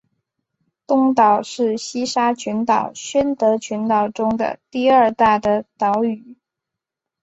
东岛是西沙群岛宣德群岛中的第二大的岛屿。